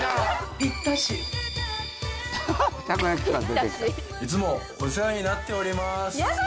ぴったしいつもお世話になっております